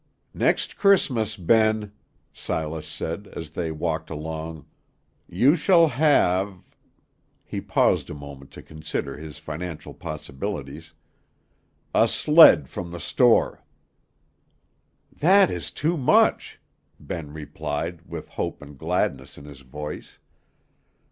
"Next Christmas, Ben," Silas said, as they walked along, "you shall have" he paused a moment to consider his financial possibilities "a sled from the store." "That is too much," Ben replied, with hope and gladness in his voice.